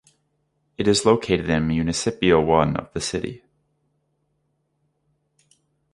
It is located in Municipio One of the city.